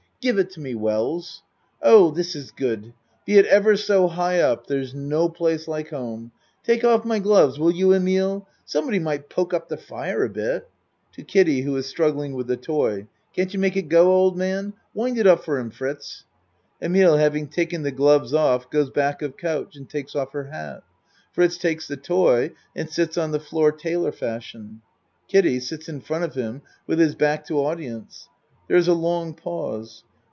Give it to me, Wells. Oh This is good! Be it ever so high up, there's no place like home. Take off my gloves, will you, Emile? Somebody might poke up the fire a bit. (To Kiddie who is struggling with the toy.) Can't you make it go, old man? Wind it up for him, Fritz. (Emile having taken the gloves off goes back of couch and takes off her hat. Fritz takes the toy and sits on the floor tailor fashion. Kiddie sits in front of him with his back to audience. There is a long pause.